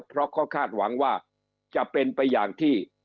เพราะเขาคาดหวังว่าจะเป็นไปอย่างที่